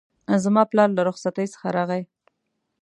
زما پلار له رخصتی څخه راغی